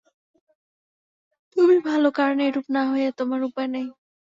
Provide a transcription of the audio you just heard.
তুমি ভাল, কারণ এরূপ না হইয়া তোমার উপায় নাই।